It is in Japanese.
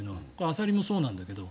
アサリもそうなんだけど。